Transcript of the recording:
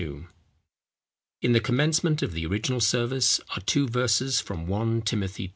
In the commencement of the original service are two verses from 1 Timothy ii.